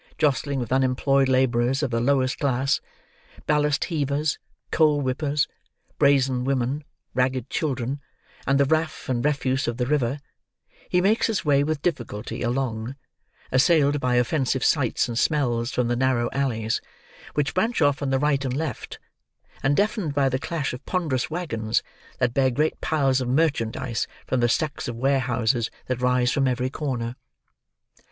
Jostling with unemployed labourers of the lowest class, ballast heavers, coal whippers, brazen women, ragged children, and the raff and refuse of the river, he makes his way with difficulty along, assailed by offensive sights and smells from the narrow alleys which branch off on the right and left, and deafened by the clash of ponderous waggons that bear great piles of merchandise from the stacks of warehouses that rise from every corner.